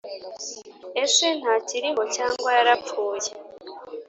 ese ntakiriho cyangwa yarapfuye